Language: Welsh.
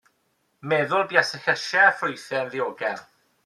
Meddwl buasai llysiau a ffrwythau yn ddiogel.